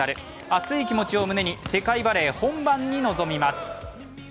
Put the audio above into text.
熱い気持ちを胸に世界バレー本番に臨みます。